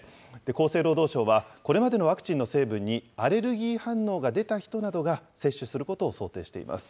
厚生労働省はこれまでのワクチンの成分にアレルギー反応が出た人などが接種することを想定しています。